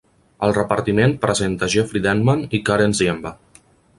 El repartiment presenta Jeffry Denman i Karen Ziemba.